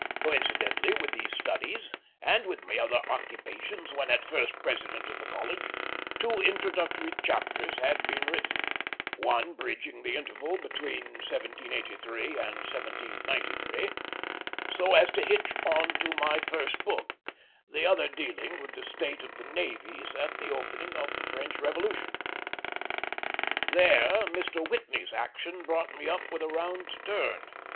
Coincidently with these studies, and with my other occupations when at first president of the College, two introductory chapters had been written; one bridging the interval between 1783 and 1793, so as to hitch on to my first book, the other dealing with the state of the navies at the opening of the French Revolution. There Mr. Whitney's action brought me up with a round turn.